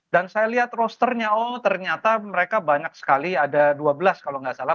dan saya lihat rosternya oh ternyata mereka banyak sekali ada dua belas kalau nggak salah